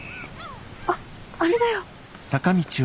あっあれだよ。